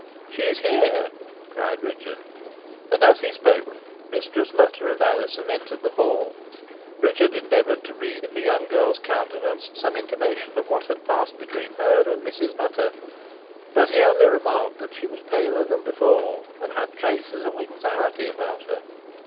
"She is here," cried Richard. And as he spoke Mistress Nutter and Alizon entered the hall. Richard endeavoured to read in the young girl's countenance some intimation of what had passed between her and Mistress Nutter, but he only remarked that she was paler than before, and had traces of anxiety about her.